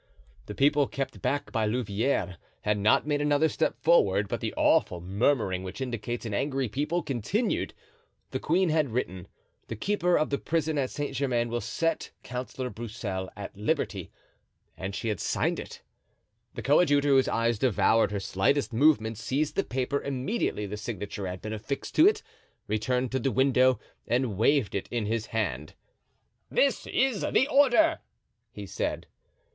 The people, kept back by Louvieres, had not made another step forward; but the awful murmuring, which indicates an angry people, continued. The queen had written, "The keeper of the prison at Saint Germain will set Councillor Broussel at liberty;" and she had signed it. The coadjutor, whose eyes devoured her slightest movements, seized the paper immediately the signature had been affixed to it, returned to the window and waved it in his hand. "This is the order," he said.